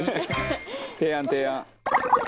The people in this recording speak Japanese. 提案提案。